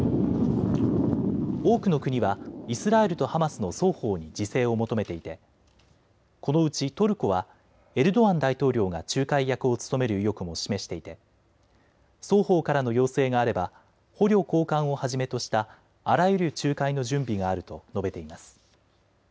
多くの国はイスラエルとハマスの双方に自制を求めていてこのうちトルコはエルドアン大統領が仲介役を務める意欲も示していて双方からの要請があれば捕虜交換をはじめとしたあらゆる仲介の準備があると述べています。